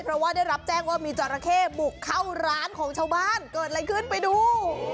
เพราะว่าได้รับแจ้งว่ามีจราเข้บุกเข้าร้านของชาวบ้านเกิดอะไรขึ้นไปดู